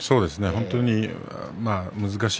本当に難しい。